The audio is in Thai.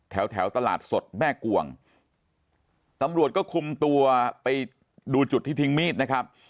แถวแถวตลาดสดแม่กวงตำรวจก็คุมตัวไปดูจุดที่ทิ้งมีดนะครับ